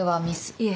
いえ。